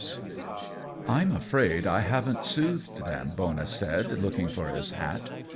^^ "I'm afraid I haven't soothed them," Bonus said, looking for his hat.